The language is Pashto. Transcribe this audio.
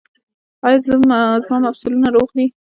ایا زما مفصلونه روغ دي؟